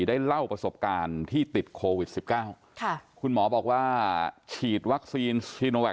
ได้เล่าประสบการณ์ที่ติดโควิดสิบเก้าค่ะคุณหมอบอกว่าฉีดวัคซีนซีโนแวค